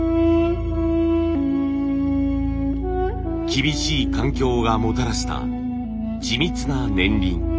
厳しい環境がもたらした緻密な年輪。